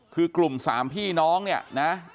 คือกลุ่ม๓พี่น้องเนี่ยนะ